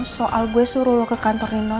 soal gue suruh loh ke kantor nino